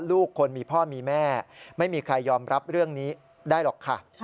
ลูกคนมีพ่อมีแม่ไม่มีใครยอมรับเรื่องนี้ได้หรอกค่ะ